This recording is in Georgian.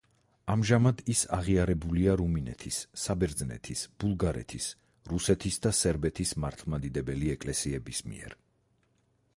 ამჟამად ის აღიარებულია რუმინეთის, საბერძნეთის, ბულგარეთის, რუსეთის და სერბეთის მართლმადიდებელი ეკლესიების მიერ.